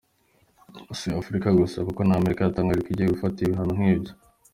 Si Afrika gusa kuko n’Amerika yatangaje ko igiye gufata ibihano nk’ibyo.